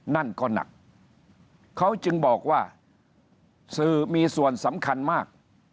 นั่นก็หนักเขาจึงบอกว่าสื่อมีส่วนสำคัญมาก